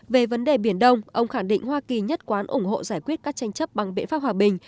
về vấn đề biển đông ông khẳng định hoa kỳ nhất quán ủng hộ giải quyết các tranh chấp bằng biện pháp hòa bình